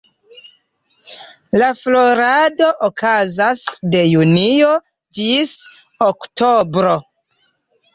La florado okazas de junio ĝis oktobro.